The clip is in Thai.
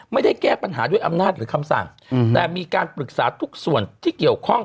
ไม่ได้แก้ปัญหาด้วยอำนาจหรือคำสั่งแต่มีการปรึกษาทุกส่วนที่เกี่ยวข้อง